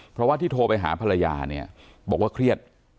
เพราะว่าที่โทรไปหาภรรยาเนี่ยบอกว่าเครียด